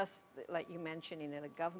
seperti yang anda sebutkan